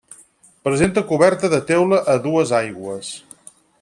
Presenta coberta de teula a dues aigües.